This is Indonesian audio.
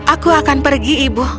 aku akan pergi ibu